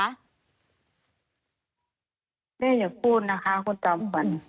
อย่าพูดนะคะคุณจอมขวัญ